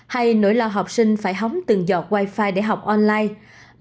hay nỗi lo học sinh phải hóng từng giọt wifi để học online